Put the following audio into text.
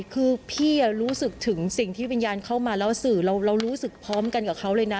คือพี่รู้สึกถึงสิ่งที่วิญญาณเข้ามาแล้วสื่อเรารู้สึกพร้อมกันกับเขาเลยนะ